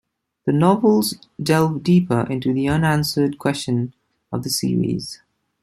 The novels delve deeper into the unanswered questions of the series.